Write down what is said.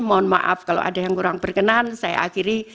mohon maaf kalau ada yang kurang berkenan saya akhiri